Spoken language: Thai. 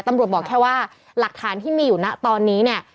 บอกแค่ว่าหลักฐานที่มีอยู่นะตอนนี้เนี่ย